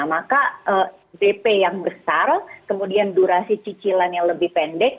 maka dp yang besar kemudian durasi cicilan yang lebih pendek